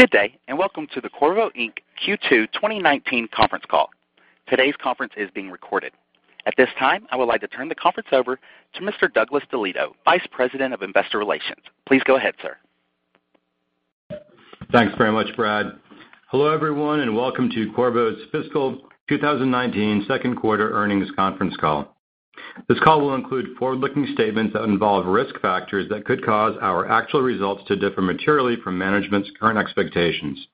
Good day, welcome to the Qorvo Inc. Q2 2019 conference call. Today's conference is being recorded. At this time, I would like to turn the conference over to Mr. Douglas DeLieto, Vice President of Investor Relations. Please go ahead, sir. Thanks very much, Brad. Hello everyone, welcome to Qorvo's fiscal 2019 second quarter earnings conference call. This call will include forward-looking statements that involve risk factors that could cause our actual results to differ materially from management's current expectations.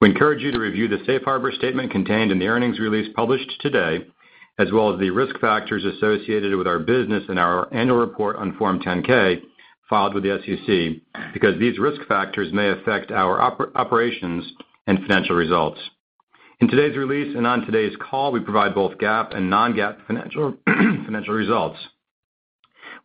We encourage you to review the safe harbor statement contained in the earnings release published today, as well as the risk factors associated with our business in our annual report on Form 10-K filed with the SEC, because these risk factors may affect our operations and financial results. In today's release and on today's call, we provide both GAAP and non-GAAP financial results.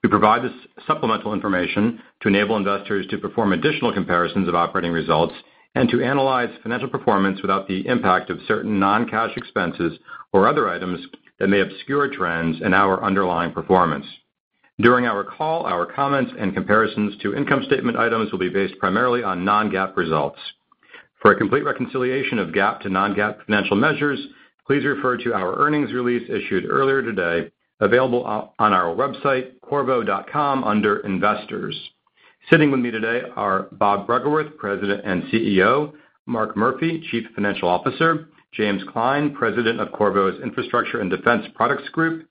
We provide this supplemental information to enable investors to perform additional comparisons of operating results and to analyze financial performance without the impact of certain non-cash expenses or other items that may obscure trends in our underlying performance. During our call, our comments and comparisons to income statement items will be based primarily on non-GAAP results. For a complete reconciliation of GAAP to non-GAAP financial measures, please refer to our earnings release issued earlier today, available on our website, qorvo.com, under Investors. Sitting with me today are Bob Bruggeworth, President and CEO, Mark Murphy, Chief Financial Officer, James Klein, President of Qorvo's Infrastructure and Defense Products Group,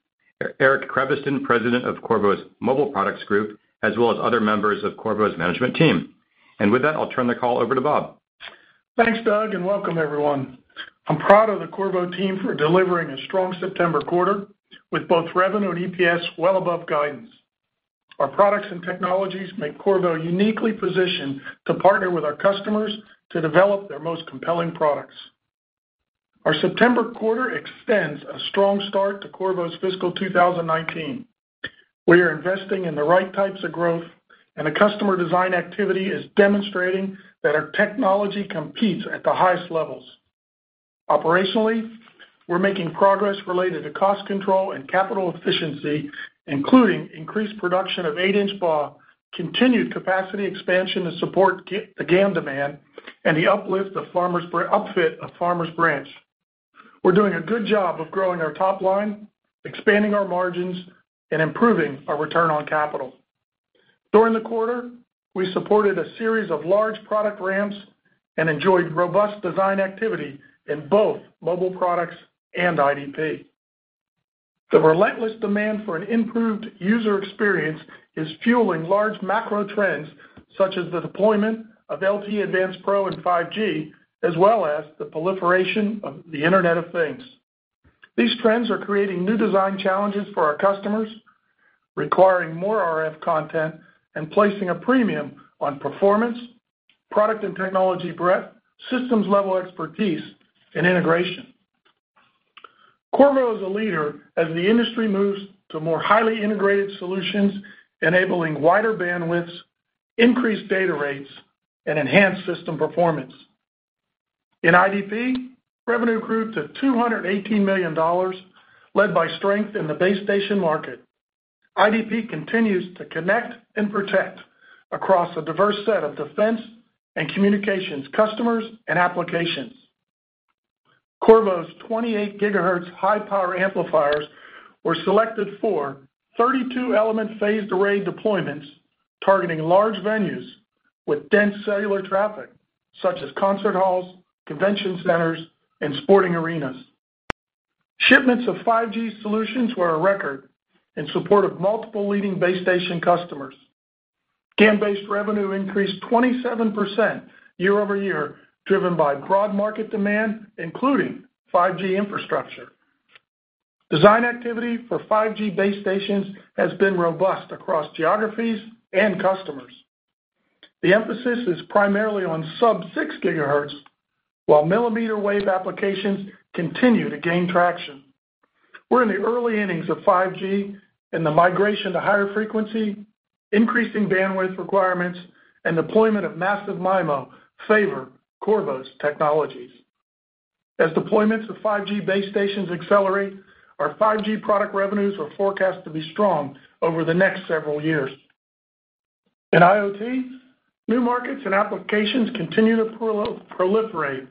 Eric Creviston, President of Qorvo's Mobile Products Group, as well as other members of Qorvo's management team. With that, I'll turn the call over to Bob. Thanks, Doug, and welcome everyone. I'm proud of the Qorvo team for delivering a strong September quarter, with both revenue and EPS well above guidance. Our products and technologies make Qorvo uniquely positioned to partner with our customers to develop their most compelling products. Our September quarter extends a strong start to Qorvo's fiscal 2019. We are investing in the right types of growth, and the customer design activity is demonstrating that our technology competes at the highest levels. Operationally, we're making progress related to cost control and capital efficiency, including increased production of 8-inch BAW, continued capacity expansion to support the GaN demand, and the upfit of Farmers Branch. We're doing a good job of growing our top line, expanding our margins, and improving our return on capital. During the quarter, we supported a series of large product ramps and enjoyed robust design activity in both mobile products and IDP. The relentless demand for an improved user experience is fueling large macro trends, such as the deployment of LTE Advanced Pro and 5G, as well as the proliferation of the Internet of Things. These trends are creating new design challenges for our customers, requiring more RF content, and placing a premium on performance, product and technology breadth, systems-level expertise, and integration. Qorvo is a leader as the industry moves to more highly integrated solutions, enabling wider bandwidths, increased data rates, and enhanced system performance. In IDP, revenue grew to $218 million, led by strength in the base station market. IDP continues to connect and protect across a diverse set of defense and communications customers and applications. Qorvo's 28 gigahertz high power amplifiers were selected for 32-element phased array deployments, targeting large venues with dense cellular traffic, such as concert halls, convention centers, and sporting arenas. Shipments of 5G solutions were a record in support of multiple leading base station customers. GaN-based revenue increased 27% year-over-year, driven by broad market demand, including 5G infrastructure. Design activity for 5G base stations has been robust across geographies and customers. The emphasis is primarily on sub-6 gigahertz, while millimeter-wave applications continue to gain traction. We're in the early innings of 5G and the migration to higher frequency, increasing bandwidth requirements, and deployment of massive MIMO favor Qorvo's technologies. As deployments of 5G base stations accelerate, our 5G product revenues are forecast to be strong over the next several years. In IoT, new markets and applications continue to proliferate.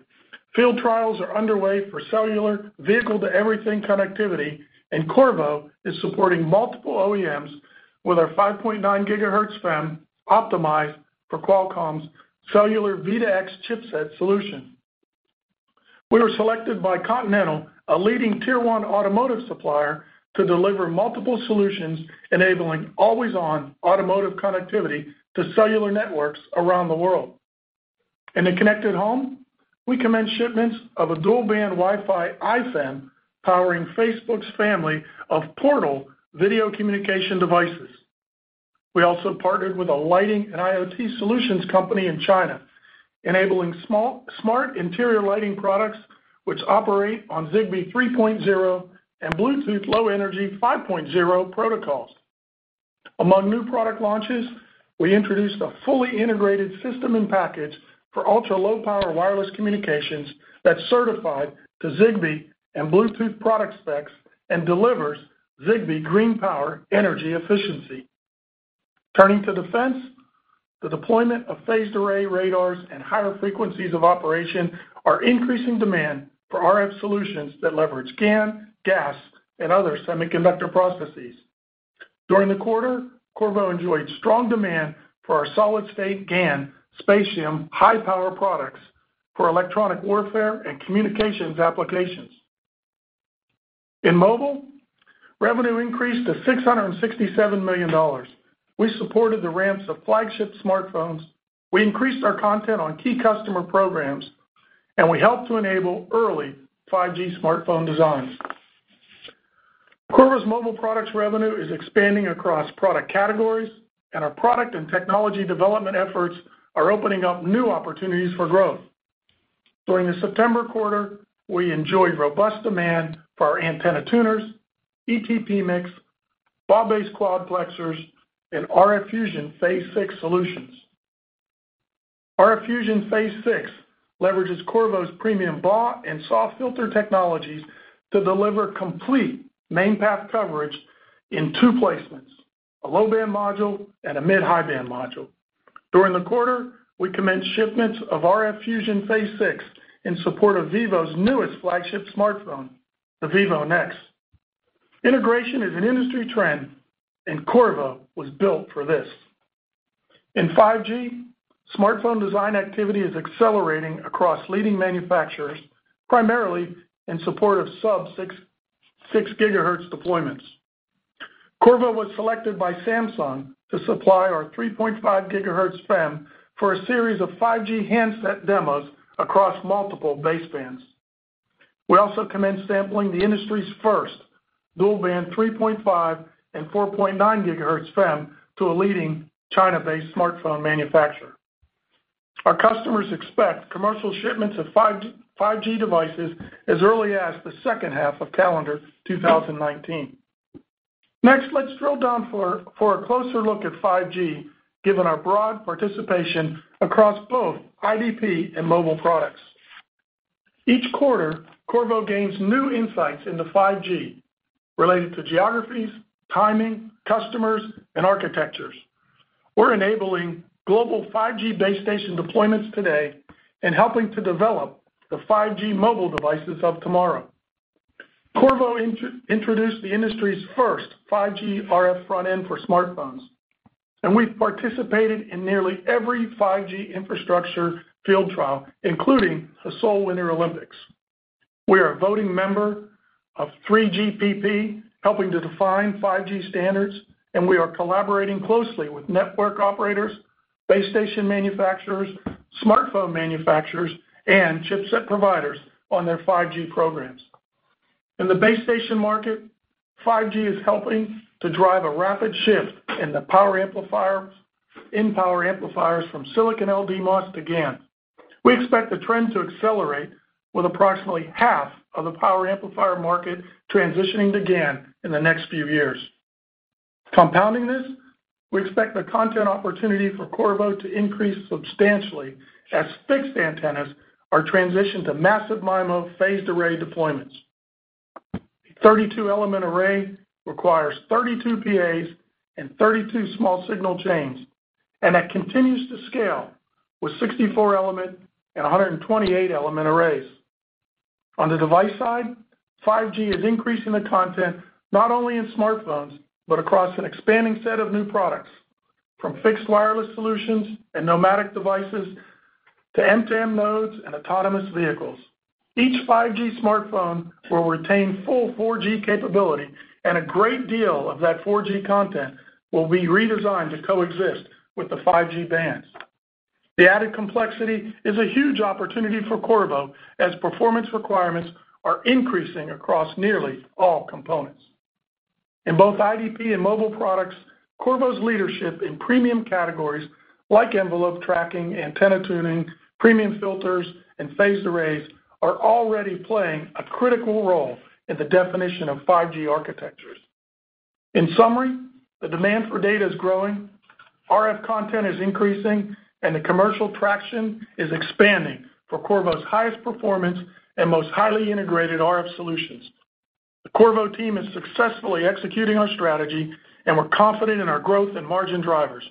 Field trials are underway for cellular vehicle-to-everything connectivity. Qorvo is supporting multiple OEMs with our 5.9 gigahertz FEM optimized for Qualcomm's cellular V2X chipset solution. We were selected by Continental, a leading tier 1 automotive supplier, to deliver multiple solutions enabling always-on automotive connectivity to cellular networks around the world. In the connected home, we commenced shipments of a dual-band Wi-Fi IFEM powering Facebook's family of Portal video communication devices. We also partnered with a lighting and IoT solutions company in China, enabling smart interior lighting products, which operate on Zigbee 3.0 and Bluetooth Low Energy 5.0 protocols. Among new product launches, we introduced a fully integrated system and package for ultra-low power wireless communications that's certified to Zigbee and Bluetooth product specs and delivers Zigbee Green Power energy efficiency. Turning to defense, the deployment of phased array radars and higher frequencies of operation are increasing demand for RF solutions that leverage GaN, GaAs, and other semiconductor processes. During the quarter, Qorvo enjoyed strong demand for our solid-state GaN Spatium high-power products for electronic warfare and communications applications. In mobile, revenue increased to $667 million. We supported the ramps of flagship smartphones, we increased our content on key customer programs, and we helped to enable early 5G smartphone designs. Qorvo's mobile products revenue is expanding across product categories, and our product and technology development efforts are opening up new opportunities for growth. During the September quarter, we enjoyed robust demand for our antenna tuners, ET PMICs, BAW-based quadplexers, and RF Fusion Phase 6 solutions. RF Fusion Phase 6 leverages Qorvo's premium BAW and SAW filter technologies to deliver complete main path coverage in two placements, a low-band module and a mid/high-band module. During the quarter, we commenced shipments of RF Fusion Phase 6 in support of Vivo's newest flagship smartphone, the Vivo Nex. Integration is an industry trend. Qorvo was built for this. In 5G, smartphone design activity is accelerating across leading manufacturers, primarily in support of sub-six gigahertz deployments. Qorvo was selected by Samsung to supply our 3.5 gigahertz FEM for a series of 5G handset demos across multiple basebands. We also commenced sampling the industry's first dual-band 3.5 and 4.9 gigahertz FEM to a leading China-based smartphone manufacturer. Our customers expect commercial shipments of 5G devices as early as the second half of calendar 2019. Next, let's drill down for a closer look at 5G, given our broad participation across both IDP and mobile products. Each quarter, Qorvo gains new insights into 5G related to geographies, timing, customers, and architectures. We're enabling global 5G base station deployments today and helping to develop the 5G mobile devices of tomorrow. Qorvo introduced the industry's first 5G RF front end for smartphones. We've participated in nearly every 5G infrastructure field trial, including the Seoul Winter Olympics. We are a voting member of 3GPP, helping to define 5G standards. We are collaborating closely with network operators, base station manufacturers, smartphone manufacturers, and chipset providers on their 5G programs. In the base station market, 5G is helping to drive a rapid shift in power amplifiers from silicon LDMOS to GaN. We expect the trend to accelerate with approximately half of the power amplifier market transitioning to GaN in the next few years. Compounding this, we expect the content opportunity for Qorvo to increase substantially as fixed antennas are transitioned to massive MIMO phased array deployments. A 32-element array requires 32 PAs and 32 small signal chains. That continues to scale with 64-element and 128-element arrays. On the device side, 5G is increasing the content not only in smartphones, but across an expanding set of new products, from fixed wireless solutions and nomadic devices to M2M nodes and autonomous vehicles. Each 5G smartphone will retain full 4G capability. A great deal of that 4G content will be redesigned to coexist with the 5G bands. The added complexity is a huge opportunity for Qorvo as performance requirements are increasing across nearly all components. In both IDP and mobile products, Qorvo's leadership in premium categories like envelope tracking, antenna tuning, premium filters, and phased arrays are already playing a critical role in the definition of 5G architectures. In summary, the demand for data is growing, RF content is increasing. The commercial traction is expanding for Qorvo's highest performance and most highly integrated RF solutions. The Qorvo team is successfully executing our strategy. We're confident in our growth and margin drivers.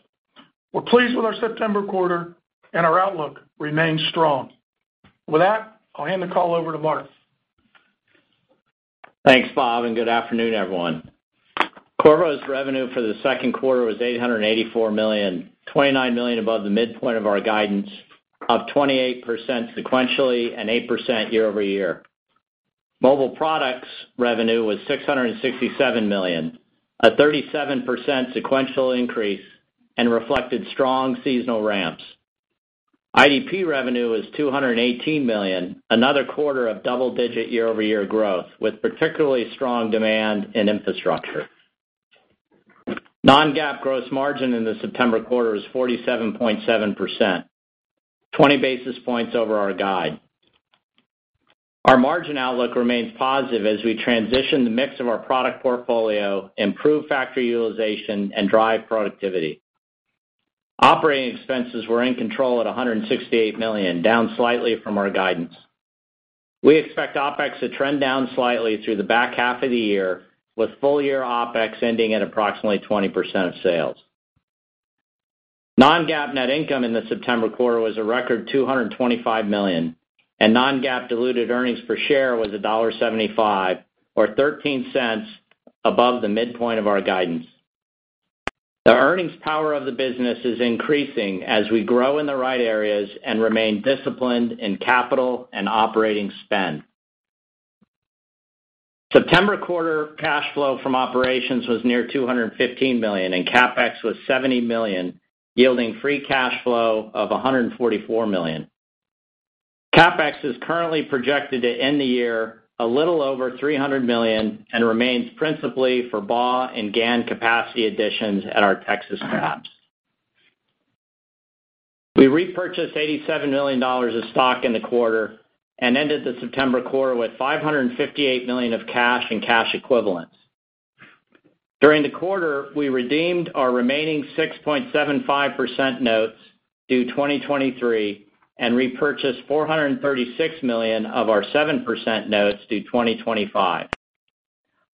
We're pleased with our September quarter. Our outlook remains strong. With that, I'll hand the call over to Mark. Thanks, Bob, and good afternoon, everyone. Qorvo's revenue for the second quarter was $884 million, $29 million above the midpoint of our guidance, up 28% sequentially and 8% year-over-year. Mobile Products revenue was $667 million, a 37% sequential increase, and reflected strong seasonal ramps. IDP revenue was $218 million, another quarter of double-digit year-over-year growth, with particularly strong demand in infrastructure. non-GAAP gross margin in the September quarter was 47.7%, 20 basis points over our guide. Our margin outlook remains positive as we transition the mix of our product portfolio, improve factory utilization, and drive productivity. Operating expenses were in control at $168 million, down slightly from our guidance. We expect OpEx to trend down slightly through the back half of the year, with full-year OpEx ending at approximately 20% of sales. Non-GAAP net income in the September quarter was a record $225 million, and non-GAAP diluted earnings per share was $1.75, or $0.13 above the midpoint of our guidance. The earnings power of the business is increasing as we grow in the right areas and remain disciplined in capital and operating spend. September quarter cash flow from operations was near $215 million, and CapEx was $70 million, yielding free cash flow of $144 million. CapEx is currently projected to end the year a little over $300 million and remains principally for BAW and GaN capacity additions at our Texas fabs. We repurchased $87 million of stock in the quarter and ended the September quarter with $558 million of cash and cash equivalents. During the quarter, we redeemed our remaining 6.75% notes due 2023 and repurchased $436 million of our 7% notes due 2025.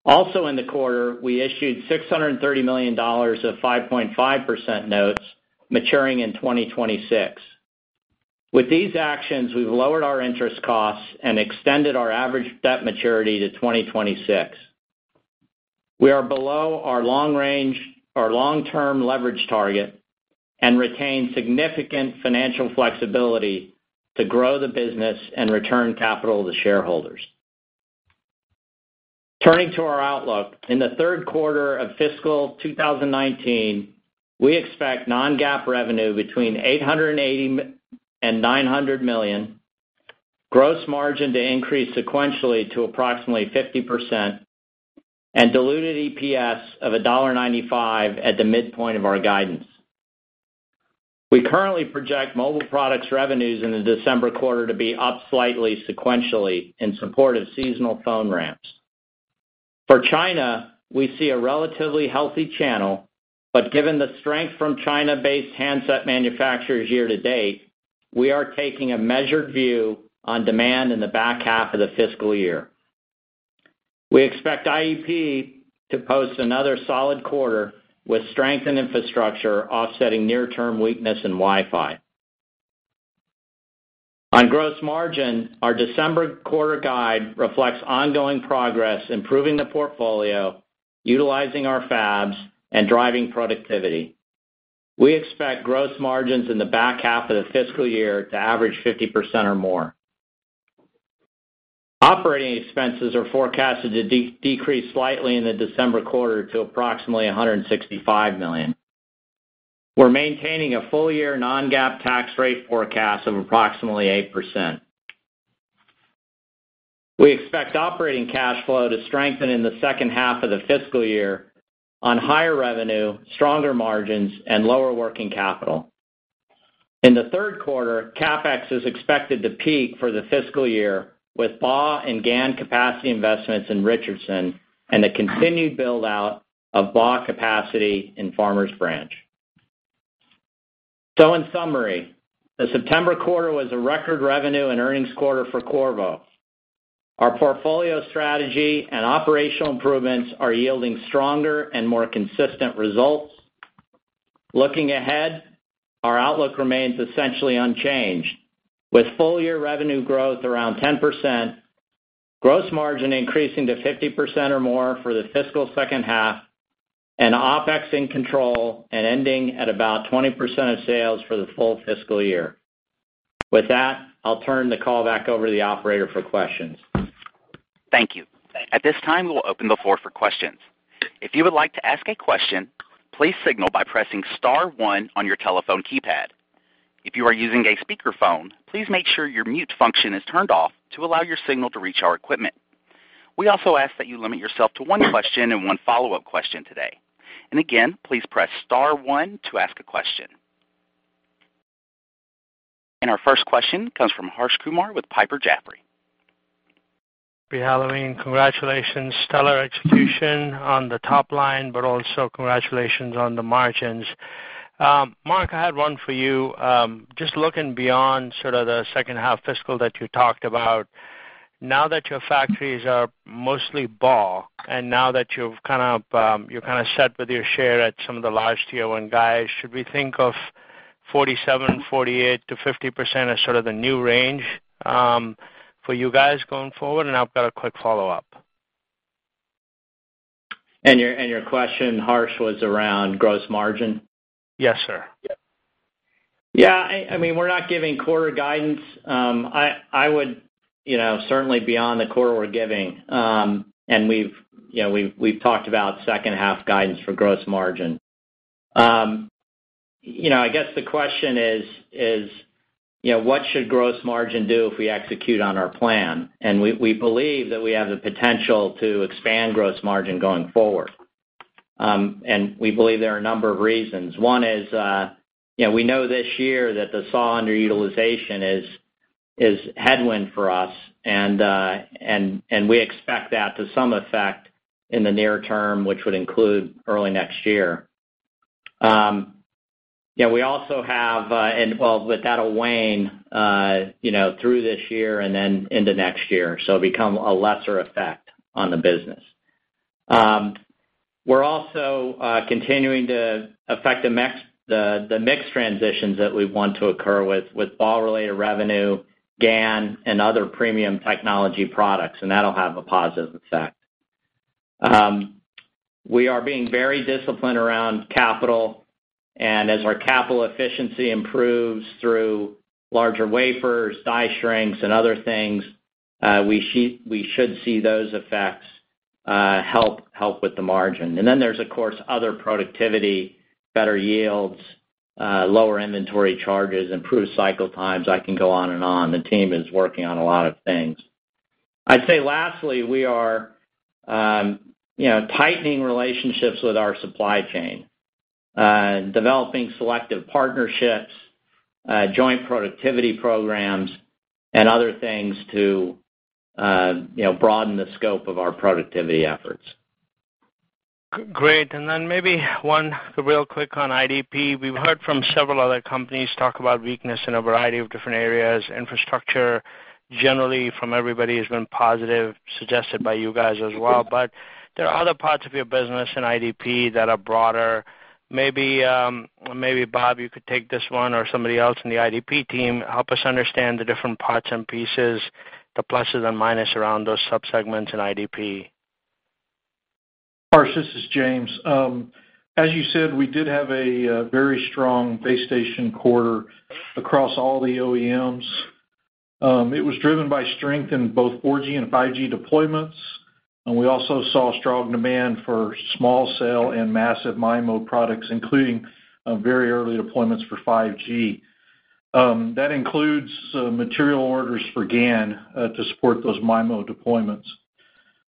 In the quarter, we issued $630 million of 5.5% notes maturing in 2026. With these actions, we've lowered our interest costs and extended our average debt maturity to 2026. We are below our long-term leverage target and retain significant financial flexibility to grow the business and return capital to shareholders. Turning to our outlook, in the third quarter of fiscal 2019, we expect non-GAAP revenue between $880 million-$900 million, gross margin to increase sequentially to approximately 50%, and diluted EPS of $1.95 at the midpoint of our guidance. We currently project Mobile Products revenues in the December quarter to be up slightly sequentially in support of seasonal phone ramps. For China, we see a relatively healthy channel, but given the strength from China-based handset manufacturers year-to-date, we are taking a measured view on demand in the back half of the fiscal year. We expect IDP to post another solid quarter with strength in infrastructure offsetting near-term weakness in Wi-Fi. On gross margin, our December quarter guide reflects ongoing progress improving the portfolio, utilizing our fabs, and driving productivity. We expect gross margins in the back half of the fiscal year to average 50% or more. Operating expenses are forecasted to decrease slightly in the December quarter to approximately $165 million. We're maintaining a full-year non-GAAP tax rate forecast of approximately 8%. We expect operating cash flow to strengthen in the second half of the fiscal year on higher revenue, stronger margins and lower working capital. In the third quarter, CapEx is expected to peak for the fiscal year with BAW and GaN capacity investments in Richardson and the continued build-out of BAW capacity in Farmers Branch. In summary, the September quarter was a record revenue and earnings quarter for Qorvo. Our portfolio strategy and operational improvements are yielding stronger and more consistent results. Looking ahead, our outlook remains essentially unchanged, with full-year revenue growth around 10%, gross margin increasing to 50% or more for the fiscal second half, and OpEx in control and ending at about 20% of sales for the full fiscal year. With that, I'll turn the call back over to the operator for questions. Thank you. At this time, we'll open the floor for questions. If you would like to ask a question, please signal by pressing *1 on your telephone keypad. If you are using a speakerphone, please make sure your mute function is turned off to allow your signal to reach our equipment. We also ask that you limit yourself to one question and one follow-up question today. Again, please press *1 to ask a question. Our first question comes from Harsh Kumar with Piper Jaffray. Happy Halloween. Congratulations. Stellar execution on the top line, but also congratulations on the margins. Mark, I had one for you. Just looking beyond sort of the second half fiscal that you talked about, now that your factories are mostly BAW and now that you're kind of set with your share at some of the large tier 1 guys, should we think of 47%, 48%-50% as sort of the new range for you guys going forward? I've got a quick follow-up. Your question, Harsh, was around gross margin? Yes, sir. Yeah. I mean, we're not giving quarter guidance. Certainly beyond the quarter we're giving, we've talked about second half guidance for gross margin. I guess the question is: what should gross margin do if we execute on our plan? We believe that we have the potential to expand gross margin going forward. We believe there are a number of reasons. One is, we know this year that the SAW underutilization is a headwind for us, and we expect that to some effect in the near term, which would include early next year. That'll wane through this year and then into next year, so become a lesser effect on the business. We're also continuing to affect the mix transitions that we want to occur with BAW-related revenue, GaN, and other premium technology products, and that'll have a positive effect. We are being very disciplined around capital, as our capital efficiency improves through larger wafers, die shrinks, and other things, we should see those effects help with the margin. Then there's, of course, other productivity, better yields, lower inventory charges, improved cycle times. I can go on and on. The team is working on a lot of things. I'd say lastly, we are tightening relationships with our supply chain, developing selective partnerships, joint productivity programs, and other things to broaden the scope of our productivity efforts. Great. Then maybe one real quick on IDP. We've heard from several other companies talk about weakness in a variety of different areas. Infrastructure, generally from everybody, has been positive, suggested by you guys as well. There are other parts of your business in IDP that are broader. Maybe, Bob, you could take this one, or somebody else in the IDP team. Help us understand the different parts and pieces, the pluses and minuses around those subsegments in IDP. Harsh, this is James. As you said, we did have a very strong base station quarter across all the OEMs. It was driven by strength in both 4G and 5G deployments, and we also saw strong demand for small cell and massive MIMO products, including very early deployments for 5G. That includes material orders for GaN to support those MIMO deployments.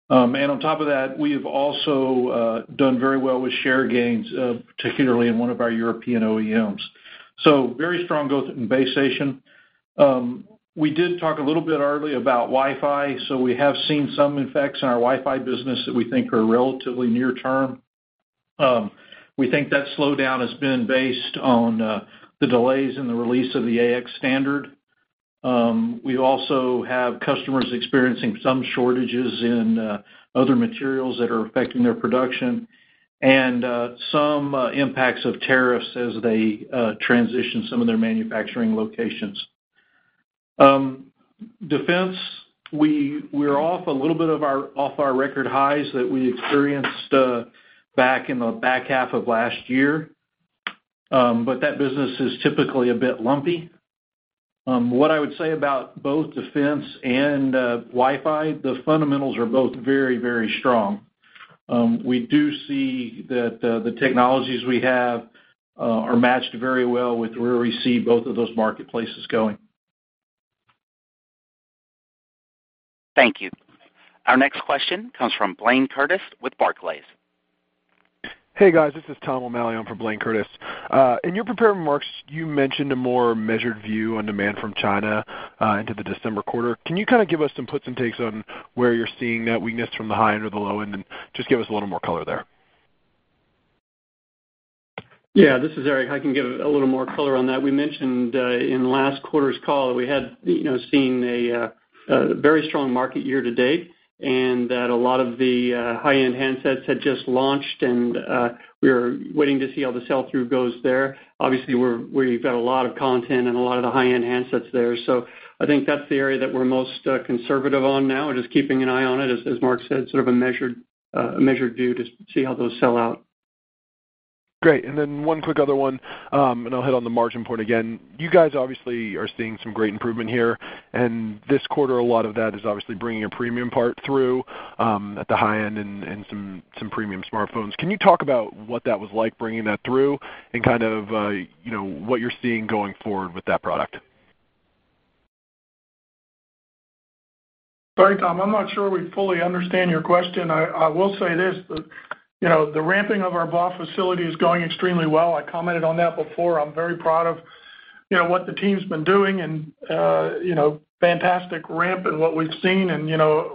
On top of that, we have also done very well with share gains, particularly in one of our European OEMs. Very strong growth in base station. We did talk a little bit already about Wi-Fi, we have seen some effects in our Wi-Fi business that we think are relatively near term. We think that slowdown has been based on the delays in the release of the AX standard. We also have customers experiencing some shortages in other materials that are affecting their production and some impacts of tariffs as they transition some of their manufacturing locations. Defense, we're off a little bit off our record highs that we experienced back in the back half of last year. That business is typically a bit lumpy. What I would say about both defense and Wi-Fi, the fundamentals are both very strong. We do see that the technologies we have are matched very well with where we see both of those marketplaces going. Thank you. Our next question comes from Blayne Curtis with Barclays. Hey, guys. This is Thomas O'Malley in for Blayne Curtis. In your prepared remarks, you mentioned a more measured view on demand from China into the December quarter. Can you kind of give us some puts and takes on where you're seeing that weakness from the high end or the low end, and just give us a little more color there? This is Eric. I can give a little more color on that. We mentioned in last quarter's call that we had seen a very strong market year to date and that a lot of the high-end handsets had just launched, and we were waiting to see how the sell-through goes there. Obviously, where you've got a lot of content and a lot of the high-end handsets there. I think that's the area that we're most conservative on now and just keeping an eye on it, as Mark said, sort of a measured view to see how those sell out. Great. Then one quick other one, and I'll hit on the margin point again. You guys obviously are seeing some great improvement here, and this quarter a lot of that is obviously bringing a premium part through at the high end and some premium smartphones. Can you talk about what that was like bringing that through and kind of what you're seeing going forward with that product? Sorry, Tom, I'm not sure we fully understand your question. I will say this, the ramping of our BAW facility is going extremely well. I commented on that before. I'm very proud of what the team's been doing and fantastic ramp in what we've seen, and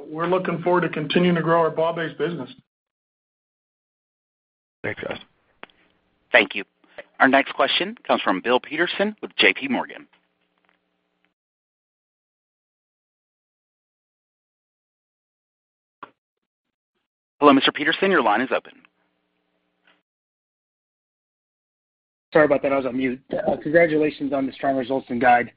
we're looking forward to continuing to grow our BAW-based business. Thanks, guys. Thank you. Our next question comes from Bill Peterson with JPMorgan. Hello, Mr. Peterson, your line is open. Sorry about that. I was on mute. Congratulations on the strong results and guide.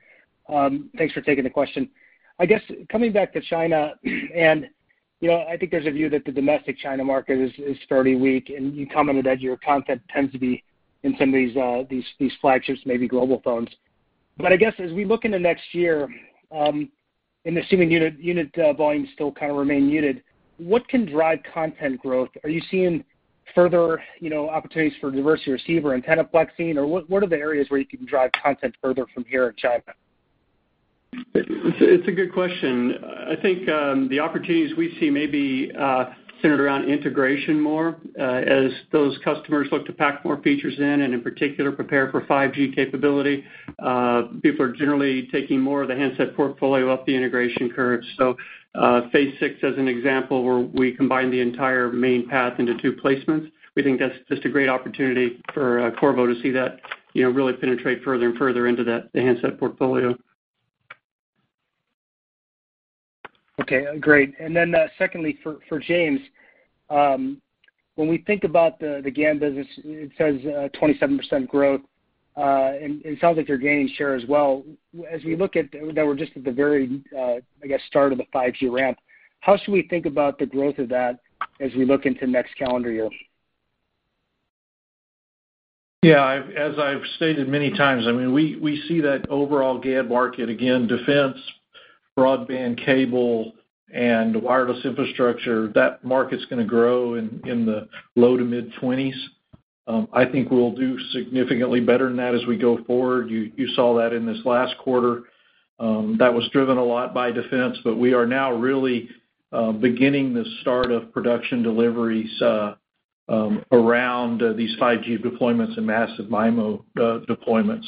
Thanks for taking the question. I guess coming back to China, I think there's a view that the domestic China market is fairly weak, you commented that your content tends to be in some of these flagships, maybe global phones. I guess as we look into next year, assuming unit volumes still kind of remain muted, what can drive content growth? Are you seeing further opportunities for diversity receiver, antenna flexing, or what are the areas where you can drive content further from here in China? It's a good question. I think the opportunities we see may be centered around integration more as those customers look to pack more features in particular, prepare for 5G capability. People are generally taking more of the handset portfolio up the integration curve. Phase 6 as an example, where we combine the entire main path into two placements, we think that's just a great opportunity for Qorvo to see that really penetrate further and further into the handset portfolio. Okay, great. Secondly, for James, when we think about the GaN business, it says 27% growth, it sounds like you're gaining share as well. As we look at that, we're just at the very, I guess, start of the 5G ramp. How should we think about the growth of that as we look into next calendar year? Yeah, as I've stated many times, we see that overall GaN market, again, defense, broadband cable, and wireless infrastructure, that market's going to grow in the low to mid-20s. I think we'll do significantly better than that as we go forward. You saw that in this last quarter. That was driven a lot by defense, but we are now really beginning the start of production deliveries around these 5G deployments and massive MIMO deployments.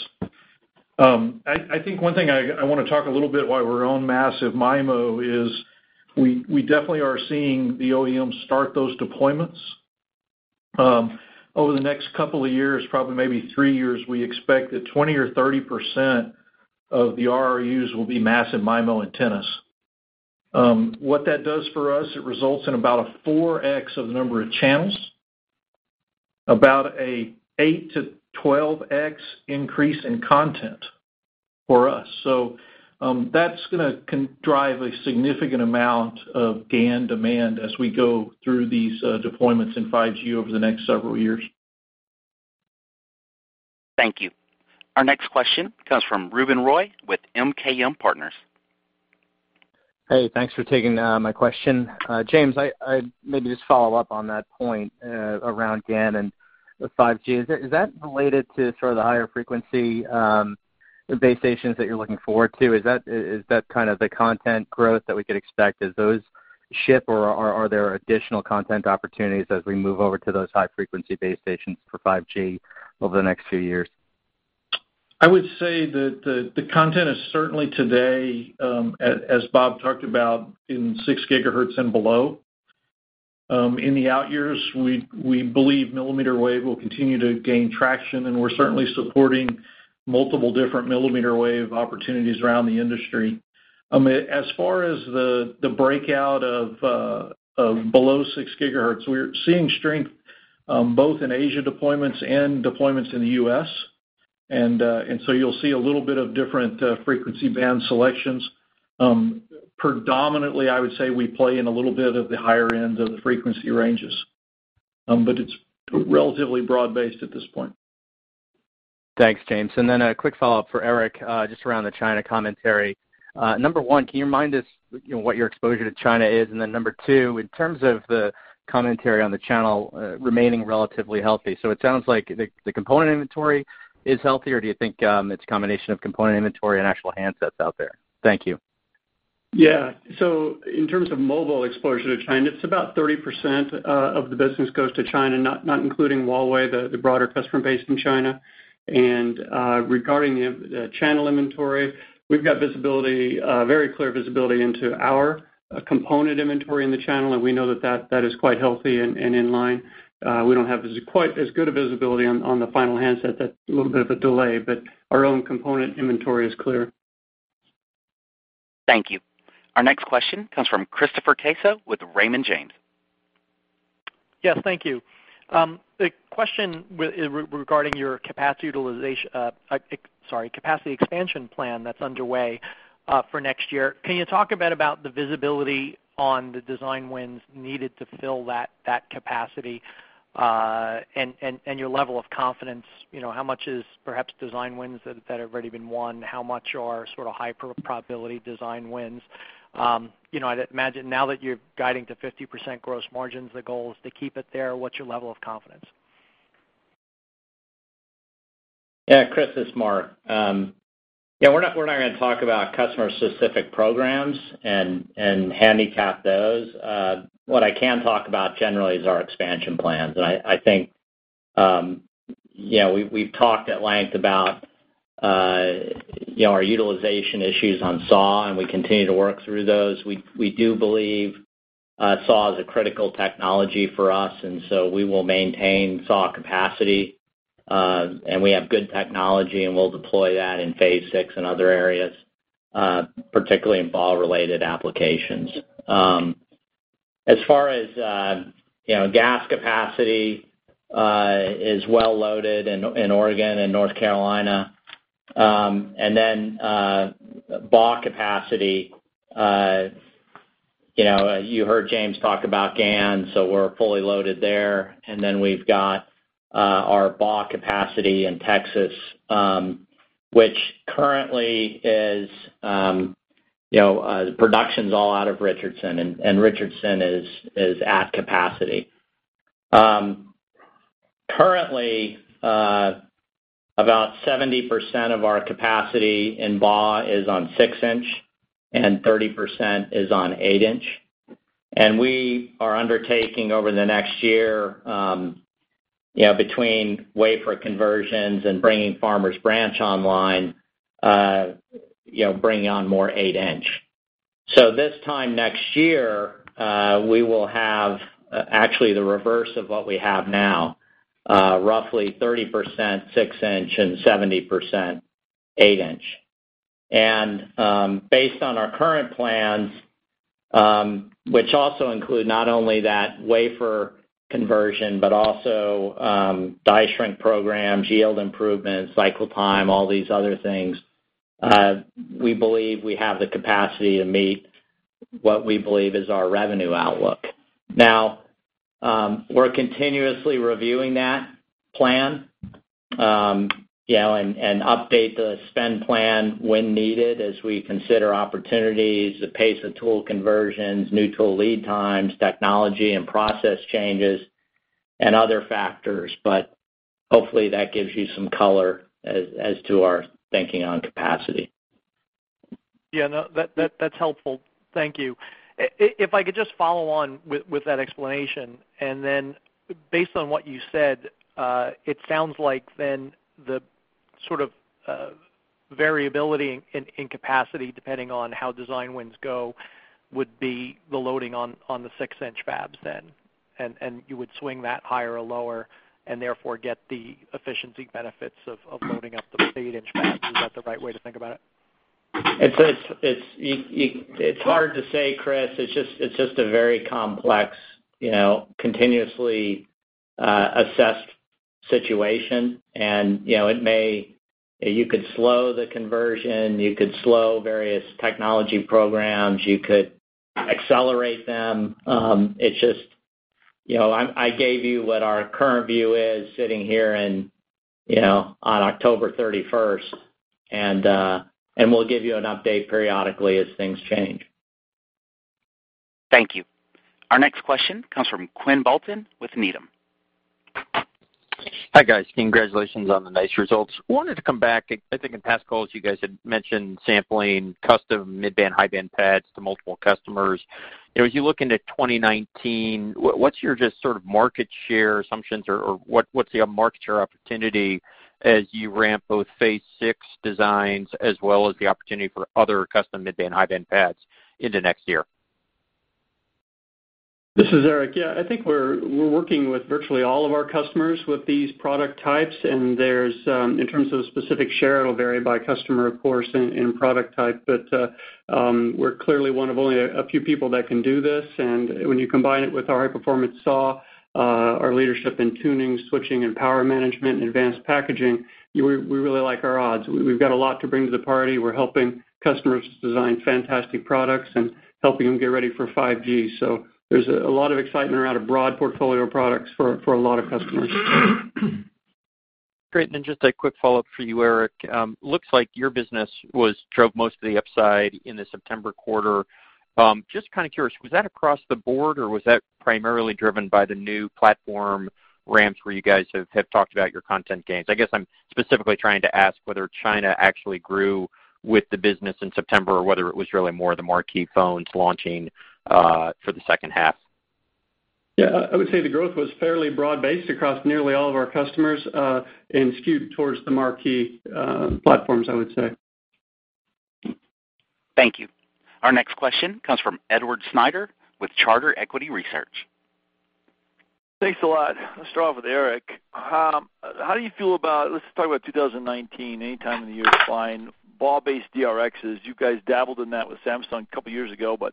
I think one thing I want to talk a little bit while we're on massive MIMO is we definitely are seeing the OEMs start those deployments. Over the next couple of years, probably maybe three years, we expect that 20% or 30% of the RRUs will be massive MIMO antennas. What that does for us, it results in about a 4X of the number of channels, about an 8 to 12X increase in content for us. That's going to drive a significant amount of GaN demand as we go through these deployments in 5G over the next several years. Thank you. Our next question comes from Ruben Roy with MKM Partners. Hey, thanks for taking my question. James, maybe just follow up on that point around GaN and with 5G. Is that related to sort of the higher frequency base stations that you're looking forward to? Is that kind of the content growth that we could expect as those ship, or are there additional content opportunities as we move over to those high-frequency base stations for 5G over the next few years? I would say that the content is certainly today, as Bob talked about, in 6 gigahertz and below. In the out years, we believe millimeter wave will continue to gain traction, and we're certainly supporting multiple different millimeter wave opportunities around the industry. As far as the breakout of below 6 gigahertz, we're seeing strength both in Asia deployments and deployments in the U.S. You'll see a little bit of different frequency band selections. Predominantly, I would say we play in a little bit of the higher end of the frequency ranges. It's relatively broad-based at this point. Thanks, James. A quick follow-up for Eric, just around the China commentary. Number 1, can you remind us what your exposure to China is? Number 2, in terms of the commentary on the channel remaining relatively healthy, it sounds like the component inventory is healthy, or do you think it's a combination of component inventory and actual handsets out there? Thank you. In terms of mobile exposure to China, it's about 30% of the business goes to China, not including Huawei, the broader customer base in China. Regarding the channel inventory, we've got very clear visibility into our component inventory in the channel, we know that is quite healthy and in line. We don't have quite as good a visibility on the final handset. That's a little bit of a delay, our own component inventory is clear. Thank you. Our next question comes from Chris Caso with Raymond James. Yes, thank you. The question regarding your capacity expansion plan that's underway for next year, can you talk a bit about the visibility on the design wins needed to fill that capacity, and your level of confidence, how much is perhaps design wins that have already been won? How much are sort of high probability design wins? I'd imagine now that you're guiding to 50% gross margins, the goal is to keep it there. What's your level of confidence? Yeah, Chris, this is Mark. We're not going to talk about customer-specific programs and handicap those. What I can talk about generally is our expansion plans, and I think we've talked at length about our utilization issues on SAW, and we continue to work through those. We do believe SAW is a critical technology for us, and so we will maintain SAW capacity. We have good technology, and we'll deploy that in Phase 6 and other areas, particularly in BAW-related applications. As far as GaAs capacity is well loaded in Oregon and North Carolina. BAW capacity, you heard James talk about GaN, so we're fully loaded there. We've got our BAW capacity in Texas, which currently is the production's all out of Richardson, and Richardson is at capacity. Currently, about 70% of our capacity in BAW is on six-inch, and 30% is on eight-inch. We are undertaking over the next year, between wafer conversions and bringing Farmers Branch online, bringing on more eight-inch. This time next year, we will have actually the reverse of what we have now, roughly 30% six-inch and 70% eight-inch. Based on our current plans, which also include not only that wafer conversion, but also die shrink programs, yield improvements, cycle time, all these other things, we believe we have the capacity to meet what we believe is our revenue outlook. Now, we're continuously reviewing that plan, and update the spend plan when needed as we consider opportunities, the pace of tool conversions, new tool lead times, technology and process changes, and other factors. Hopefully that gives you some color as to our thinking on capacity. Yeah. No, that's helpful. Thank you. If I could just follow on with that explanation, and then based on what you said, it sounds like then the sort of variability in capacity, depending on how design wins go, would be the loading on the six-inch fabs then, and you would swing that higher or lower and therefore get the efficiency benefits of loading up the eight-inch fabs. Is that the right way to think about it? It's hard to say, Chris. It's just a very complex, continuously assessed situation. You could slow the conversion, you could slow various technology programs, you could accelerate them. I gave you what our current view is sitting here on October 31st, we'll give you an update periodically as things change. Thank you. Our next question comes from Quinn Bolton with Needham. Hi, guys. Congratulations on the nice results. Wanted to come back. I think in past calls you guys had mentioned sampling custom mid-band, high-band PAs to multiple customers. As you look into 2019, what's your just sort of market share assumptions, or what's the market share opportunity as you ramp both phase 6 designs as well as the opportunity for other custom mid-band, high-band PAs into next year? This is Eric. Yeah, I think we're working with virtually all of our customers with these product types, in terms of specific share, it'll vary by customer, of course, and product type. We're clearly one of only a few people that can do this, when you combine it with our high-performance SAW, our leadership in tuning, switching, and power management, and advanced packaging, we really like our odds. We've got a lot to bring to the party. We're helping customers design fantastic products and helping them get ready for 5G. There's a lot of excitement around a broad portfolio of products for a lot of customers. Great. Just a quick follow-up for you, Eric. Looks like your business drove most of the upside in the September quarter. Just kind of curious, was that across the board, or was that primarily driven by the new platform ramps where you guys have talked about your content gains? I guess I'm specifically trying to ask whether China actually grew with the business in September, or whether it was really more of the marquee phones launching for the second half. Yeah. I would say the growth was fairly broad-based across nearly all of our customers, and skewed towards the marquee platforms, I would say. Thank you. Our next question comes from Edward Snyder with Charter Equity Research. Thanks a lot. Let's start off with Eric. How do you feel about, let's talk about 2019, any time in the year is fine, BAW-based DRXs. You guys dabbled in that with Samsung a couple of years ago, but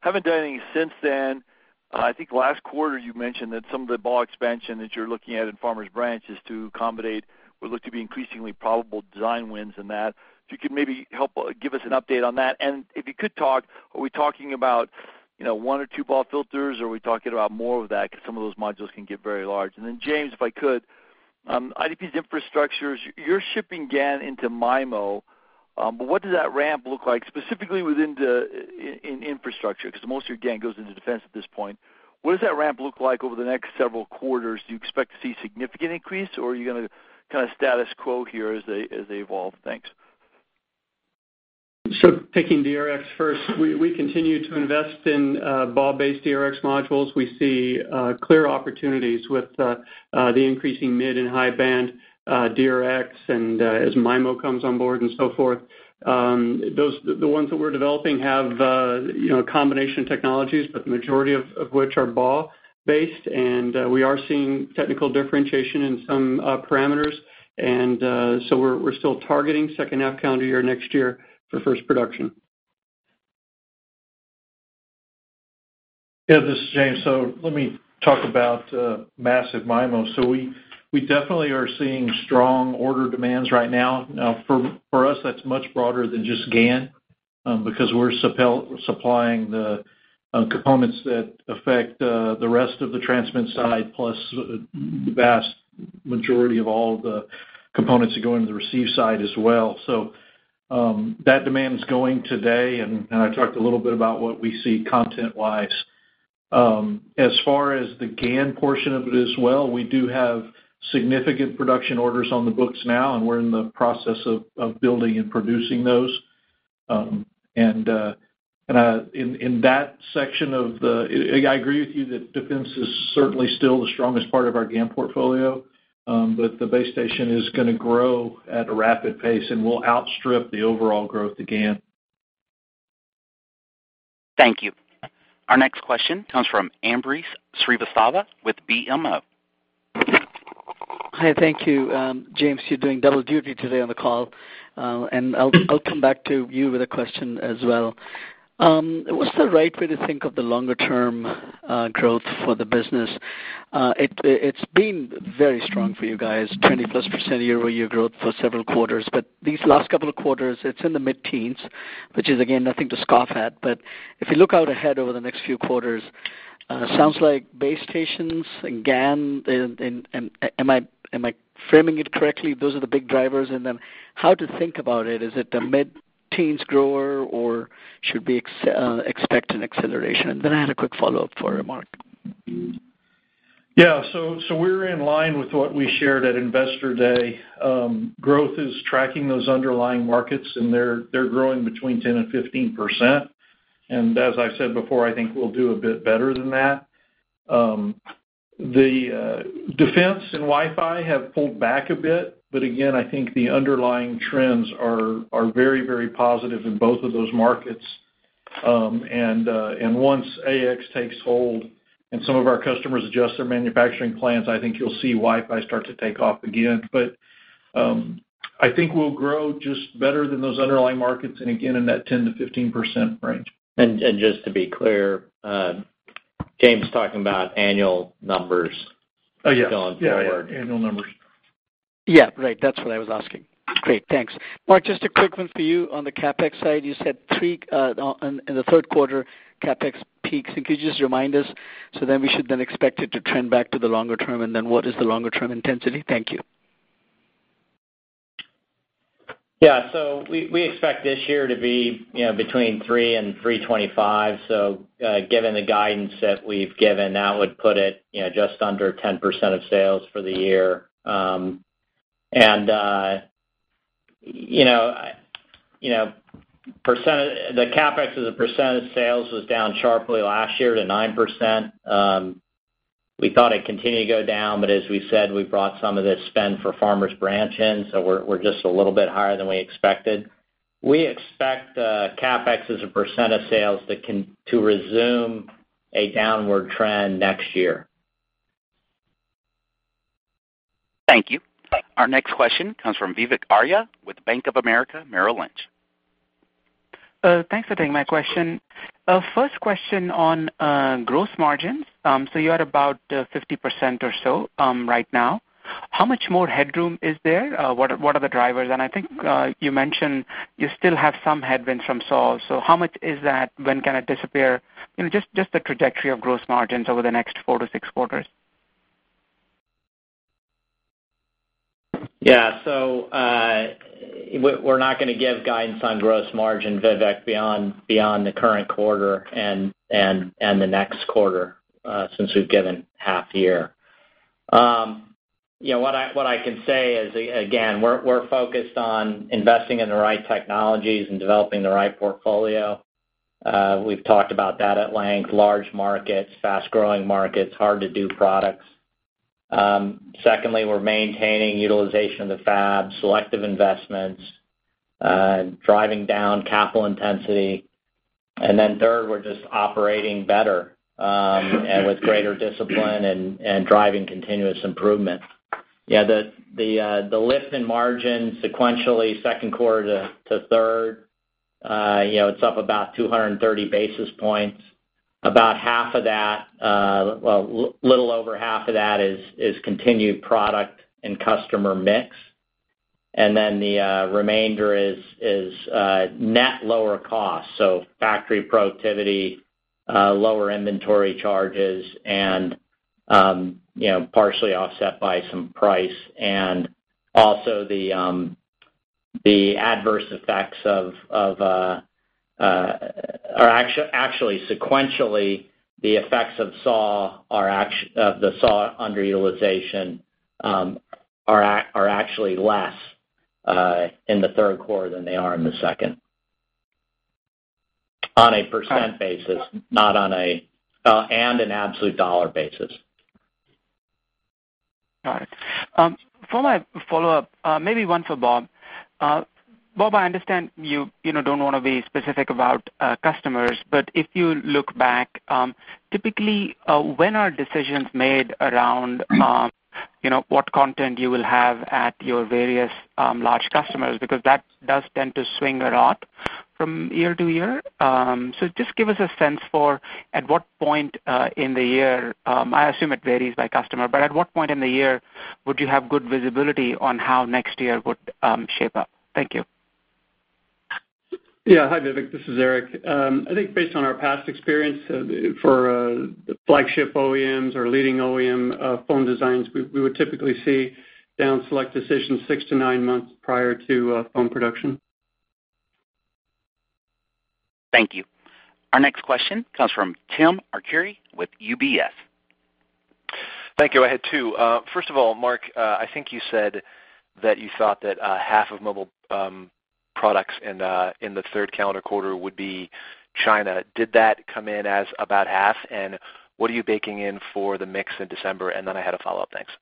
haven't done anything since then. I think last quarter you mentioned that some of the BAW expansion that you're looking at in Farmers Branch is to accommodate what look to be increasingly probable design wins in that. If you could maybe give us an update on that, and if you could talk, are we talking about one or two BAW filters, or are we talking about more of that? Because some of those modules can get very large. James, if I could, IDP's infrastructures, you're shipping GaN into MIMO, but what does that ramp look like specifically in infrastructure? Most of your GaN goes into defense at this point. What does that ramp look like over the next several quarters? Do you expect to see significant increase, or are you going to kind of status quo here as they evolve? Thanks. Taking DRX first, we continue to invest in BAW-based DRX modules. We see clear opportunities with the increasing mid and high-band DRX and as MIMO comes on board and so forth. The ones that we're developing have a combination of technologies, but the majority of which are BAW-based, we are seeing technical differentiation in some parameters. We're still targeting second half calendar year next year for first production. This is James. Let me talk about massive MIMO. We definitely are seeing strong order demands right now. For us, that's much broader than just GaN, because we're supplying the components that affect the rest of the transmit side, plus the vast majority of all the components that go into the receive side as well. That demand is going today, I talked a little bit about what we see content-wise. As far as the GaN portion of it as well, we do have significant production orders on the books now, and we're in the process of building and producing those. In that section, I agree with you that defense is certainly still the strongest part of our GaN portfolio. The base station is going to grow at a rapid pace, and will outstrip the overall growth to GaN. Thank you. Our next question comes from Ambrish Srivastava with BMO. Hi, thank you. James, you're doing double duty today on the call. I'll come back to you with a question as well. What's the right way to think of the longer-term growth for the business? It's been very strong for you guys, 20-plus percent year-over-year growth for several quarters. These last couple of quarters, it's in the mid-teens, which is again, nothing to scoff at. If you look out ahead over the next few quarters, sounds like base stations and GaN, am I framing it correctly? Those are the big drivers. How to think about it, is it a mid-teens grower or should we expect an acceleration? I had a quick follow-up for Mark. Yeah. We're in line with what we shared at Investor Day. Growth is tracking those underlying markets, and they're growing between 10% and 15%. As I said before, I think we'll do a bit better than that. The defense and Wi-Fi have pulled back a bit, but again, I think the underlying trends are very positive in both of those markets. Once AX takes hold and some of our customers adjust their manufacturing plans, I think you'll see Wi-Fi start to take off again. I think we'll grow just better than those underlying markets, and again, in that 10% to 15% range. Just to be clear, James is talking about annual numbers. Oh, yeah going forward. Yeah, annual numbers. Yeah. Right. That's what I was asking. Great. Thanks. Mark, just a quick one for you on the CapEx side. You said in the third quarter, CapEx peaks. Could you just remind us, we should then expect it to trend back to the longer term, what is the longer-term intensity? Thank you. Yeah. We expect this year to be between 3% and 3.25%. Given the guidance that we've given, that would put it just under 10% of sales for the year. The CapEx as a percent of sales was down sharply last year to 9%. We thought it'd continue to go down, but as we said, we brought some of the spend for Farmers Branch in, so we're just a little bit higher than we expected. We expect CapEx as a percent of sales to resume a downward trend next year. Thank you. Our next question comes from Vivek Arya with Bank of America Merrill Lynch. Thanks for taking my question. First question on gross margins. You're at about 50% or so right now. How much more headroom is there? What are the drivers? I think you mentioned you still have some headwinds from SAW, how much is that? When can it disappear? Just the trajectory of gross margins over the next four to six quarters. Yeah. We're not going to give guidance on gross margin, Vivek, beyond the current quarter and the next quarter, since we've given half year. What I can say is, again, we're focused on investing in the right technologies and developing the right portfolio. We've talked about that at length, large markets, fast-growing markets, hard-to-do products. Secondly, we're maintaining utilization of the fab, selective investments, driving down capital intensity. Then third, we're just operating better, and with greater discipline and driving continuous improvement. Yeah, the lift in margin sequentially, second quarter to third, it's up about 230 basis points. About half of that, well, a little over half of that is continued product and customer mix. The remainder is net lower cost, so factory productivity, lower inventory charges, and partially offset by some price, and also the adverse effects actually, sequentially, the effects of the SAW underutilization are actually less in the third quarter than they are in the second, on a % basis and an absolute dollar basis. Got it. For my follow-up, maybe one for Bob. Bob, I understand you don't want to be specific about customers, but if you look back, typically, when are decisions made around what content you will have at your various large customers? Because that does tend to swing a lot from year-to-year. Just give us a sense for at what point in the year, I assume it varies by customer, but at what point in the year would you have good visibility on how next year would shape up? Thank you. Yeah. Hi, Vivek, this is Eric. I think based on our past experience for flagship OEMs or leading OEM phone designs, we would typically see down select decisions six to nine months prior to phone production. Thank you. Our next question comes from Timothy Arcuri with UBS. Thank you. I had two. First of all, Mark, I think you said that you thought that half of Mobile Products in the third calendar quarter would be China. Did that come in as about half? What are you baking in for the mix in December? I had a follow-up. Thanks.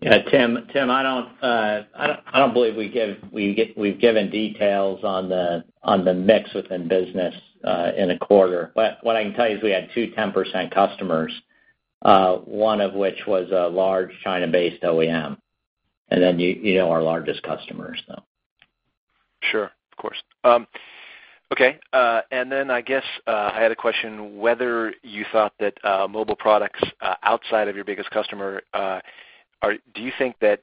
Yeah, Tim, I don't believe we've given details on the mix within business in a quarter. What I can tell you is we had two 10% customers, one of which was a large China-based OEM. You know our largest customers, though. Sure. Of course. I guess, I had a question whether you thought that Mobile Products outside of your biggest customer, do you think that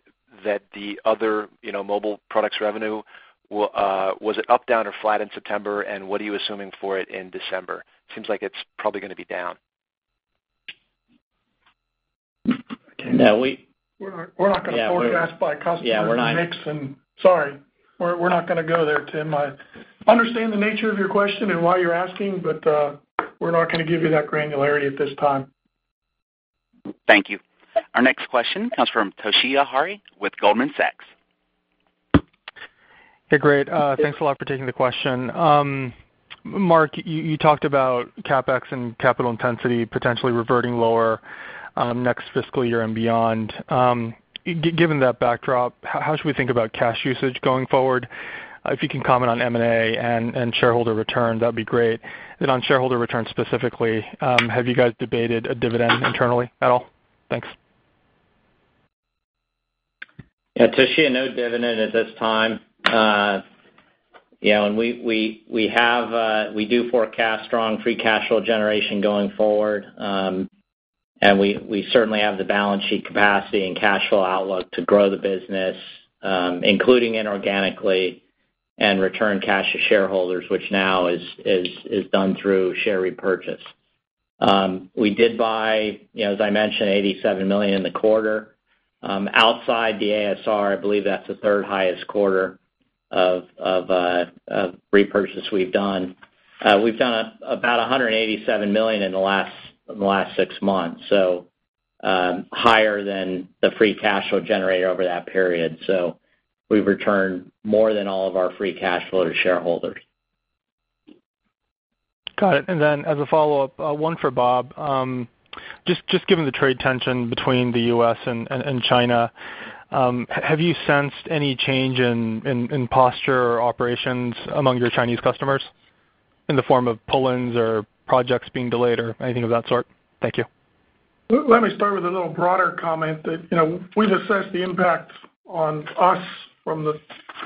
the other Mobile Products revenue, was it up, down, or flat in September? What are you assuming for it in December? Seems like it's probably gonna be down. No, We're not gonna forecast by customer Yeah, we're not mix and sorry, we're not gonna go there, Tim. I understand the nature of your question and why you're asking, We're not gonna give you that granularity at this time. Thank you. Our next question comes from Toshiya Hari with Goldman Sachs. Hey, great. Thanks a lot for taking the question. Mark, you talked about CapEx and capital intensity potentially reverting lower next fiscal year and beyond. Given that backdrop, how should we think about cash usage going forward? If you can comment on M&A and shareholder return, that'd be great. On shareholder returns specifically, have you guys debated a dividend internally at all? Thanks. Yeah, Toshiya, no dividend at this time. We do forecast strong free cash flow generation going forward. We certainly have the balance sheet capacity and cash flow outlook to grow the business, including inorganically and return cash to shareholders, which now is done through share repurchase. We did buy, as I mentioned, $87 million in the quarter. Outside the ASR, I believe that's the third highest quarter of repurchase we've done. We've done about $187 million in the last six months, so higher than the free cash flow generated over that period. We've returned more than all of our free cash flow to shareholders. Got it. As a follow-up, one for Bob. Just given the trade tension between the U.S. and China, have you sensed any change in posture or operations among your Chinese customers in the form of pull-ins or projects being delayed or anything of that sort? Thank you. Let me start with a little broader comment that we've assessed the impact on us from the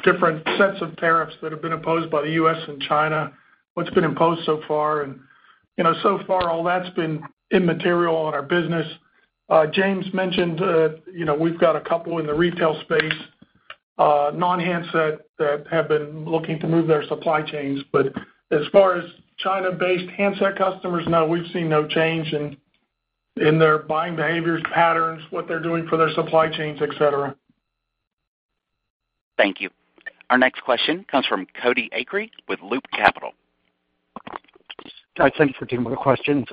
different sets of tariffs that have been imposed by the U.S. and China, what's been imposed so far, so far all that's been immaterial on our business. James mentioned we've got a couple in the retail space, non-handset, that have been looking to move their supply chains. As far as China-based handset customers, no, we've seen no change in their buying behaviors, patterns, what they're doing for their supply chains, et cetera. Thank you. Our next question comes from Cody Acree with Loop Capital. Thanks. Two more questions.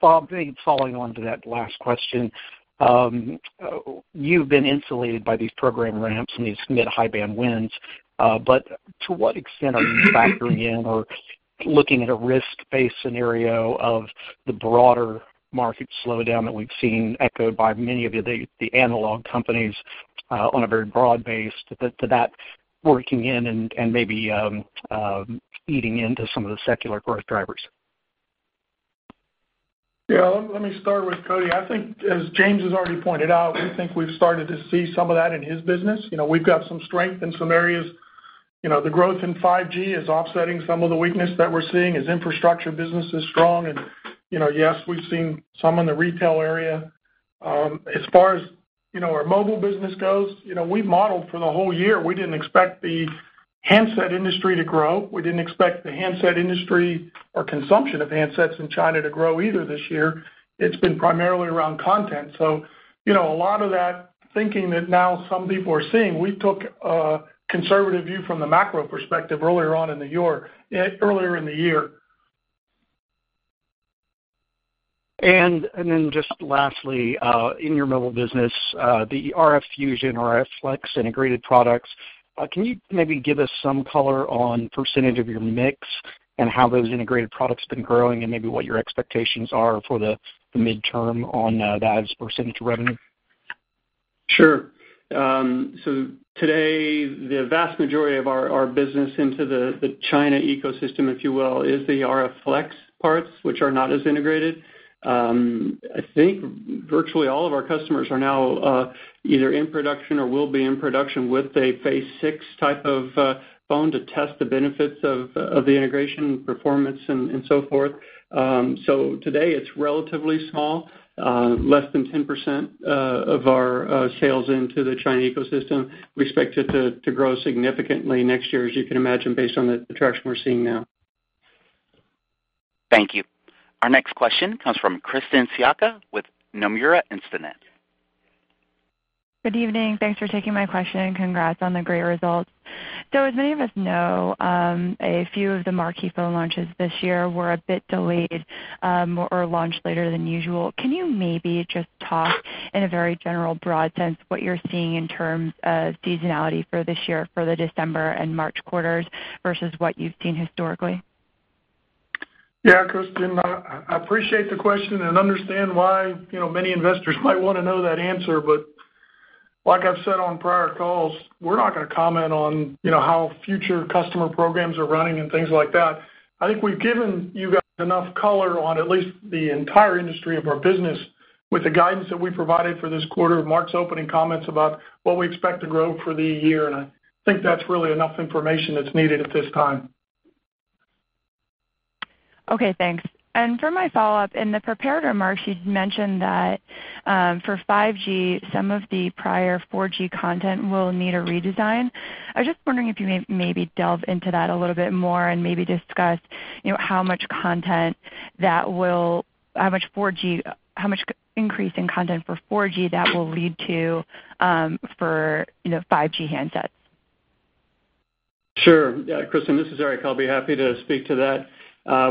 Bob, maybe following on to that last question. To what extent are you factoring in or looking at a risk-based scenario of the broader market slowdown that we've seen echoed by many of the analog companies on a very broad base to that working in and maybe eating into some of the secular growth drivers? Let me start with Cody. I think as James has already pointed out, we think we've started to see some of that in his business. We've got some strength in some areas. The growth in 5G is offsetting some of the weakness that we're seeing as infrastructure business is strong, and yes, we've seen some in the retail area. As far as our mobile business goes, we've modeled for the whole year, we didn't expect the handset industry to grow. We didn't expect the handset industry or consumption of handsets in China to grow either this year. It's been primarily around content. A lot of that thinking that now some people are seeing, we took a conservative view from the macro perspective earlier in the year. Just lastly, in your mobile business, the RF Fusion, RF Flex integrated products, can you maybe give us some color on percentage of your mix and how those integrated products been growing and maybe what your expectations are for the midterm on that as a percentage of revenue? Sure. Today, the vast majority of our business into the China ecosystem, if you will, is the RF Flex parts, which are not as integrated. I think virtually all of our customers are now either in production or will be in production with a phase 6 type of phone to test the benefits of the integration performance and so forth. Today it's relatively small, less than 10% of our sales into the China ecosystem. We expect it to grow significantly next year, as you can imagine, based on the traction we're seeing now. Thank you. Our next question comes from Krysten Sciacca with Nomura Instinet. Good evening. Thanks for taking my question, and congrats on the great results. As many of us know, a few of the marquee phone launches this year were a bit delayed or launched later than usual. Can you maybe just talk in a very general, broad sense what you're seeing in terms of seasonality for this year for the December and March quarters versus what you've seen historically? Krysten. I appreciate the question and understand why many investors might want to know that answer, but like I've said on prior calls, we're not going to comment on how future customer programs are running and things like that. I think we've given you guys enough color on at least the entire industry of our business with the guidance that we provided for this quarter, Mark's opening comments about what we expect to grow for the year, and I think that's really enough information that's needed at this time. Okay, thanks. For my follow-up, in the prepared remarks, you'd mentioned that for 5G, some of the prior 4G content will need a redesign. I was just wondering if you may maybe delve into that a little bit more and maybe discuss how much increase in content for 4G that will lead to for 5G handsets. Sure. Yeah, Krysten, this is Eric. I'll be happy to speak to that.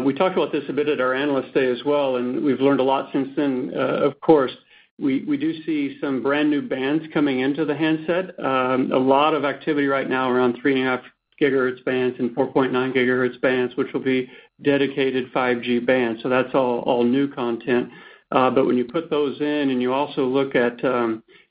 We talked about this a bit at our Analyst Day as well. We've learned a lot since then, of course. We do see some brand-new bands coming into the handset. A lot of activity right now around 3.5 gigahertz bands and 4.9 gigahertz bands, which will be dedicated 5G bands. That's all new content. When you put those in and you also look at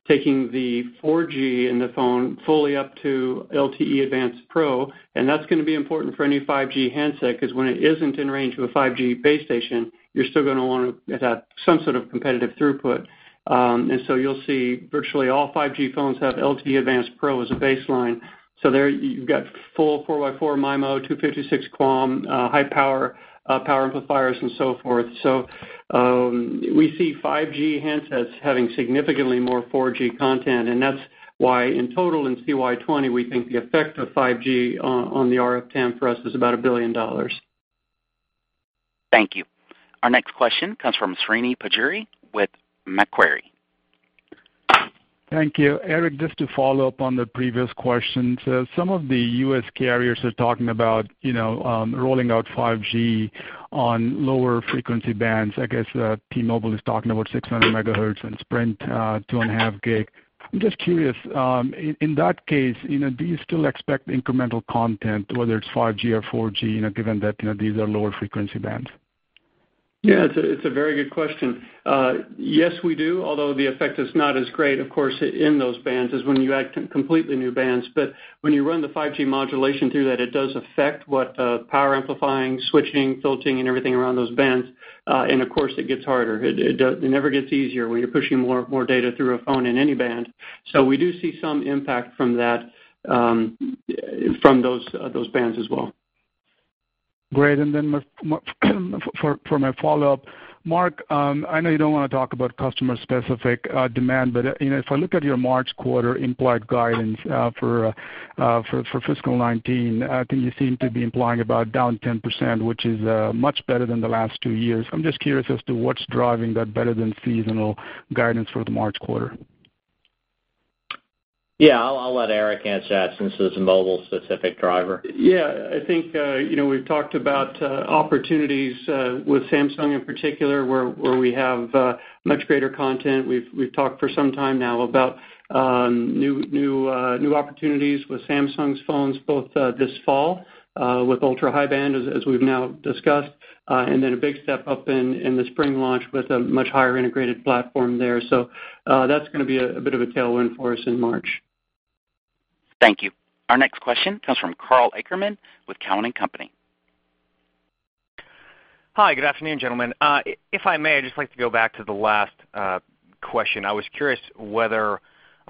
taking the 4G in the phone fully up to LTE Advanced Pro, that's going to be important for any 5G handset, because when it isn't in range of a 5G base station, you're still going to want to have some sort of competitive throughput. You'll see virtually all 5G phones have LTE Advanced Pro as a baseline. There you've got full 4x4 MIMO, 256 QAM, high power amplifiers, and so forth. We see 5G handsets having significantly more 4G content. That's why in total in CY 2020, we think the effect of 5G on the RF TAM for us is about $1 billion. Thank you. Our next question comes from Srini Pajjuri with Macquarie. Thank you. Eric, just to follow up on the previous questions, some of the U.S. carriers are talking about rolling out 5G on lower frequency bands. I guess T-Mobile is talking about 600 MHz and Sprint 2.5 GHz. I'm just curious, in that case, do you still expect incremental content, whether it's 5G or 4G, given that these are lower frequency bands? Yeah, it's a very good question. Yes, we do, although the effect is not as great, of course, in those bands as when you add completely new bands. When you run the 5G modulation through that, it does affect what power amplifying, switching, filtering, and everything around those bands. Of course, it gets harder. It never gets easier when you're pushing more data through a phone in any band. We do see some impact from those bands as well. Great. For my follow-up, Mark, I know you don't want to talk about customer-specific demand, if I look at your March quarter implied guidance for fiscal 2019, I think you seem to be implying about down 10%, which is much better than the last two years. I'm just curious as to what's driving that better-than-seasonal guidance for the March quarter. Yeah, I'll let Eric answer that since it's a mobile-specific driver. I think we've talked about opportunities with Samsung in particular, where we have much greater content. We've talked for some time now about new opportunities with Samsung's phones, both this fall with ultra-high band, as we've now discussed, and then a big step up in the spring launch with a much higher integrated platform there. That's going to be a bit of a tailwind for us in March. Thank you. Our next question comes from Karl Ackerman with Cowen and Company. Hi, good afternoon, gentlemen. If I may, I'd just like to go back to the last question. I was curious whether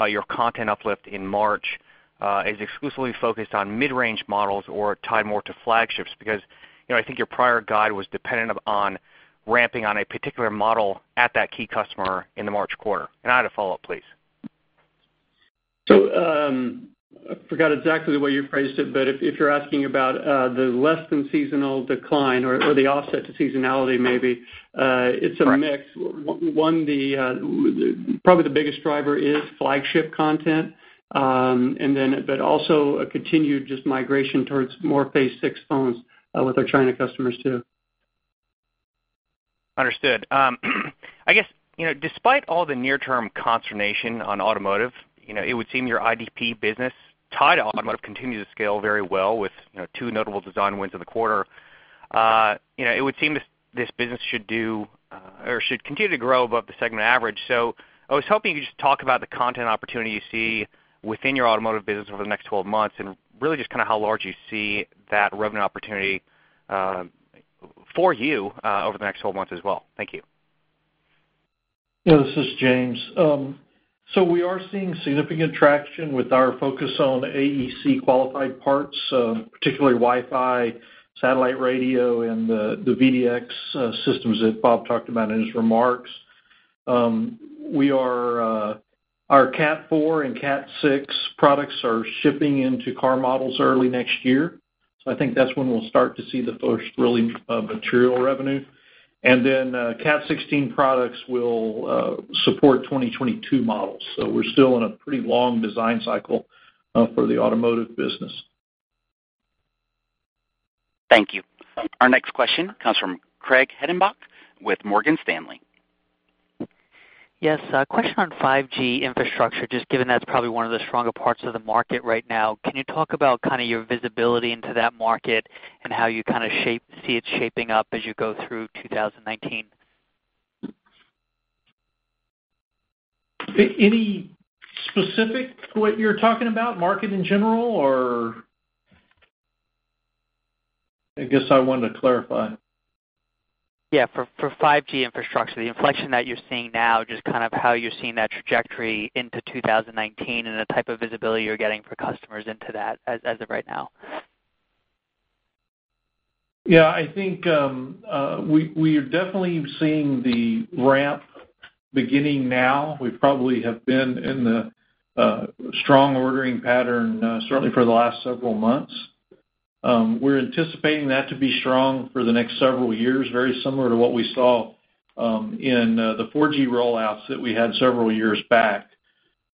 your content uplift in March is exclusively focused on mid-range models or tied more to flagships, because I think your prior guide was dependent upon ramping on a particular model at that key customer in the March quarter. I had a follow-up, please. I forgot exactly the way you phrased it, but if you're asking about the less than seasonal decline or the offset to seasonality maybe, it's a mix. Right. Probably the biggest driver is flagship content, also a continued just migration towards more Phase 6 phones with our China customers, too. Understood. I guess despite all the near-term consternation on automotive, it would seem your IDP business tied to automotive continues to scale very well with two notable design wins in the quarter. It would seem this business should continue to grow above the segment average. I was hoping you could just talk about the content opportunity you see within your automotive business over the next 12 months and really just how large you see that revenue opportunity for you over the next 12 months as well. Thank you. This is James. We are seeing significant traction with our focus on AEC-qualified parts, particularly Wi-Fi, satellite radio, and the V2X systems that Bob talked about in his remarks. Our Cat 4 and Cat 6 products are shipping into car models early next year, I think that's when we'll start to see the first really material revenue. Cat 16 products will support 2022 models. We're still in a pretty long design cycle for the automotive business. Thank you. Our next question comes from Craig Hettenbach with Morgan Stanley. Yes. A question on 5G infrastructure, just given that's probably one of the stronger parts of the market right now. Can you talk about kind of your visibility into that market and how you kind of see it shaping up as you go through 2019? Any specific what you're talking about, market in general, or? I guess I wanted to clarify. Yeah. For 5G infrastructure, the inflection that you're seeing now, just kind of how you're seeing that trajectory into 2019 and the type of visibility you're getting for customers into that as of right now. I think we are definitely seeing the ramp beginning now. We're anticipating that to be strong for the next several years, very similar to what we saw in the 4G rollouts that we had several years back.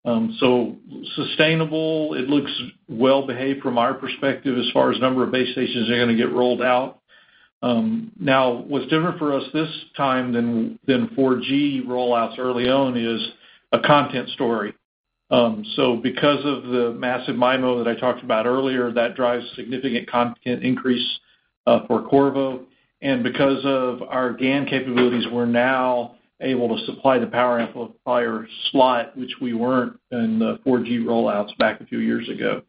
Sustainable, it looks well-behaved from our perspective as far as number of base stations that are going to get rolled out. What's different for us this time than 4G rollouts early on is a content story. Because of the massive MIMO that I talked about earlier, that drives significant content increase for Qorvo, and because of our GaN capabilities, we're now able to supply the power amplifier slot, which we weren't in the 4G rollouts back a few years ago.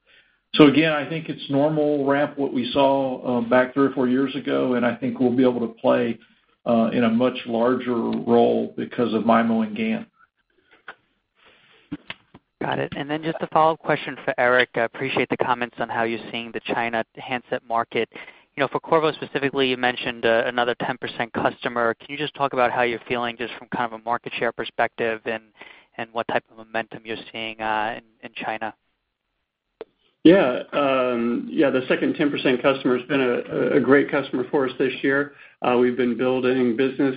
Again, I think it's normal ramp, what we saw back three or four years ago, and I think we'll be able to play in a much larger role because of MIMO and GaN. Got it. Just a follow-up question for Eric. I appreciate the comments on how you're seeing the China handset market. For Qorvo specifically, you mentioned another 10% customer. Can you just talk about how you're feeling just from kind of a market share perspective and what type of momentum you're seeing in China? The second 10% customer has been a great customer for us this year. We've been building business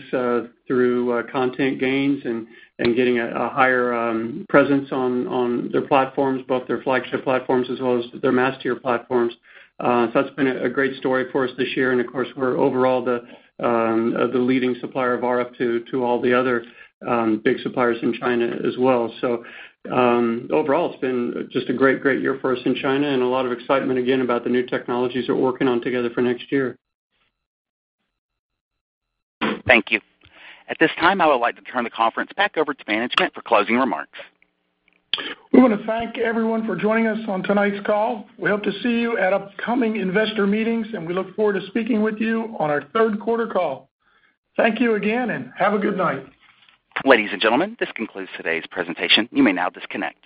through content gains and getting a higher presence on their platforms, both their flagship platforms as well as their mass-tier platforms. That's been a great story for us this year. Of course, we're overall the leading supplier of RF to all the other big suppliers in China as well. Overall, it's been just a great year for us in China and a lot of excitement again about the new technologies we're working on together for next year. Thank you. At this time, I would like to turn the conference back over to management for closing remarks. We want to thank everyone for joining us on tonight's call. We hope to see you at upcoming investor meetings. We look forward to speaking with you on our third quarter call. Thank you again. Have a good night. Ladies and gentlemen, this concludes today's presentation. You may now disconnect.